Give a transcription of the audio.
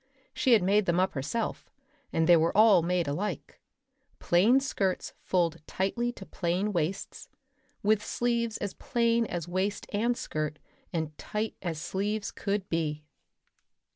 She had made them up herself, and they were all made alike plain skirts fulled tightly to plain waists, with sleeves as plain as waist and skirt and tight as sleeves could be.